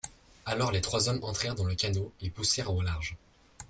Alors les trois hommes entrèrent dans le canot, et poussèrent au large.